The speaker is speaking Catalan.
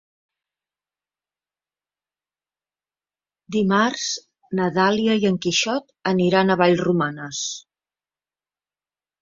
Dimarts na Dàlia i en Quixot aniran a Vallromanes.